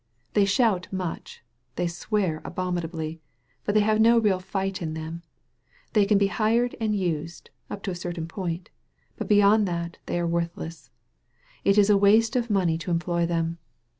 They shout much: they swear abominably: but they have no real fight in them. They can be hired and used — ^up to a certain point — ^but b^ond that they are worthless. It is a waste of money to employ them.